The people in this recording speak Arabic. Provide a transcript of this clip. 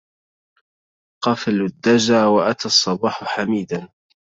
قفل الدجى وأتى الصباح حميدا